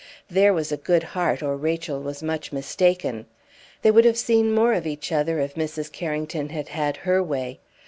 There was a good heart, or Rachel was much mistaken. They would have seen more of each other if Mrs. Carrington had had her way.